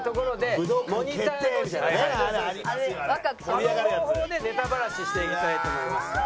あの方法でネタバラシしていきたいと思います。